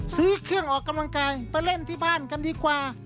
ซื้อเครื่องออกกำลังกายไปเล่นที่บ้านกันดีกว่า